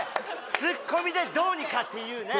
ツッコミでどうにかっていうね